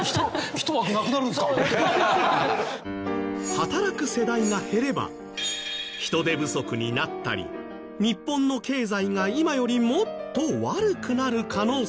働く世代が減れば人手不足になったり日本の経済が今よりもっと悪くなる可能性も。